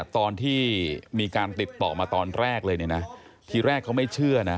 ตอนที่มีการติดต่อมาตอนแรกเลยเนี่ยนะทีแรกเขาไม่เชื่อนะ